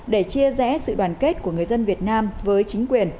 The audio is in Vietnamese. để chia rẽ sự đoàn kết của người dân việt nam với chính quyền